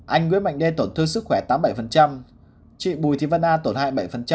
anh nguyễn mạnh đê tổn thương sức khỏe tám bảy chị bùi thị vân a tổn hại bảy